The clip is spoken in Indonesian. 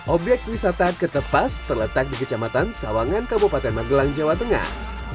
obyek wisata kertepas terletak di kecamatan sawangan kabupaten magelang jawa tengah